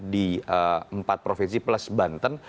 di empat provinsi plus banten